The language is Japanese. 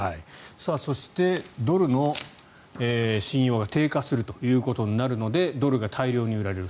そして、ドルの信用が低下するということになるのでドルが大量に売られる。